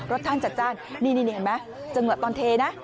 ท่านจัดจ้านนี่เห็นไหมจังหวะตอนเทนะ